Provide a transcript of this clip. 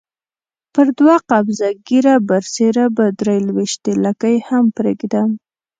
پر دوه قبضه ږیره برسېره به درې لويشتې لکۍ هم پرېږدم.